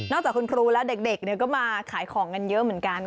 จากคุณครูแล้วเด็กก็มาขายของกันเยอะเหมือนกัน